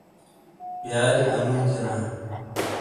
بیالی انگویی تھینا،